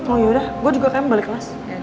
oh yaudah gue juga kayaknya mau balik kelas